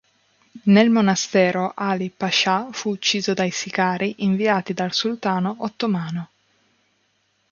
Nel monastero, Ali Pascià fu ucciso dai sicari inviati dal sultano ottomano.